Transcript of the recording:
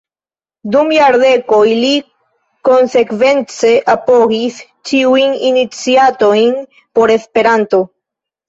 Dum jardekoj li konsekvence apogis ĉiujn iniciatojn por Esperanto.